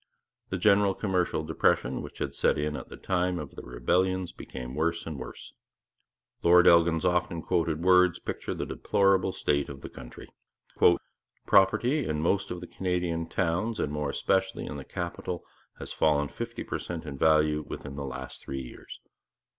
The general commercial depression, which had set in at the time of the rebellions, became worse and worse. Lord Elgin's often quoted words picture the deplorable state of the country: 'Property in most of the Canadian towns, and more especially in the capital, has fallen fifty per cent in value within the last three years.